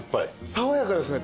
爽やかですね。